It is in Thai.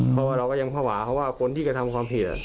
เพราะว่าเราก็ยังภาวะเขาว่าคนที่กระทำความผิด